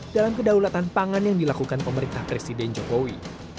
dalam kedaulatan pangan yang dilakukan pemerintah presiden jokowi